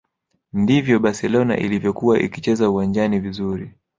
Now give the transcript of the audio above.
ndivyo barcelona ilivyokuwa ikicheza uwanjani vizuri